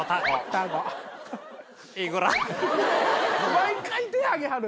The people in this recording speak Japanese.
毎回手挙げはる！